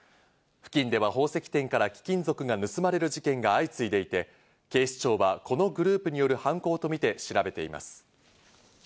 付近では他の宝石店でも、貴金属が盗まれる事件が相次いでいて、警視庁はこのグループによる犯行とみて調べています。